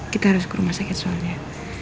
kita harus ke rumah sakit soalnya